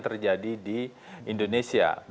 terjadi di indonesia